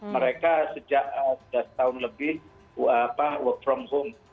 mereka sejak sudah setahun lebih work from home